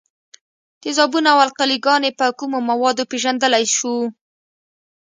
تیزابونه او القلي ګانې په کومو موادو پیژندلای شو؟